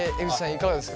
いかがですか？